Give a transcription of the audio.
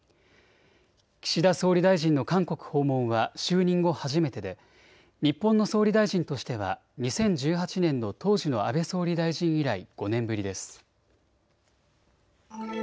岸田総理大臣の韓国訪問は就任後初めてで日本の総理大臣としては２０１８年の当時の安倍総理大臣以来、５年ぶりです。